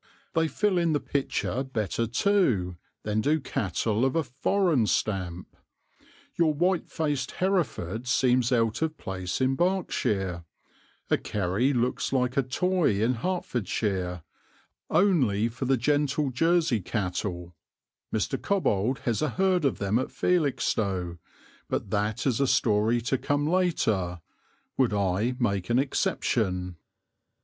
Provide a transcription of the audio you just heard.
They fill in the picture better, too, than do cattle of a "foreign" stamp. Your white faced Hereford seems out of place in Berkshire, a Kerry looks like a toy in Hertfordshire; only for the gentle Jersey cattle Mr. Cobbold has a herd of them at Felixstowe, but that is a story to come later would I make an exception.